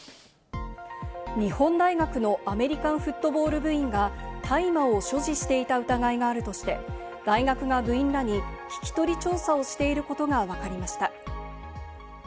日本大学のアメリカンフットボール部員が大麻を所持していた疑いがあるとして、大学が部員らに聞き取り調査をしていることがわかりました。